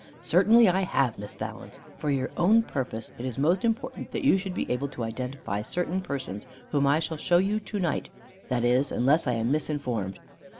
"Certainly I have, Miss Valence. For your own purpose it is most important that you should be able to identify certain persons, whom I shall show you to night; that is, unless I am misinformed."